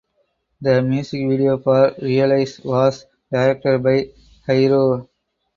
The music video for "Realize" was directed by Hiro.